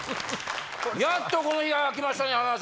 やっとこの日が来ましたね！